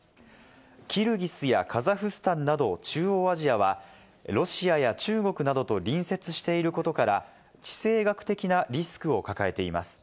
キルギスやカザフスタンなど中央アジアはロシアや中国などと隣接していることから、地政学的なリスクを抱えています。